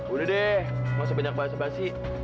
udah deh gak sepenyak bahasa basi